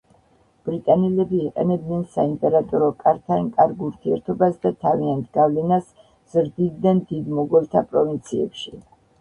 ბრიტანელები იყენებდნენ საიმპერატორო კართან კარგ ურთიერთობას და თავიანთ გავლენას ზრდიდნენ დიდ მოგოლთა პროვინციებში.